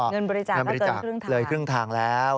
เงินบริจาคล้ายเกินครึ่งทาง